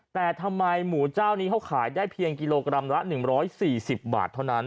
แต่ทำไมหมูเจ้านี้เขาขายได้เพียงกิโลกรัมละ๑๔๐บาทเท่านั้น